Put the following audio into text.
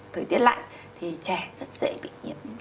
thời tiết lạnh thì trẻ rất dễ bị nhiễm